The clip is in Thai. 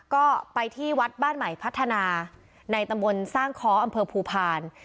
ก็ไปที่วัดบ้านใหม่พัฒนาในตำบลสร้างค้ออำเภอภูพาล